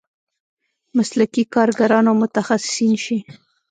مسلکي کارګران او متخصصین شي.